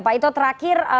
pak ito terakhir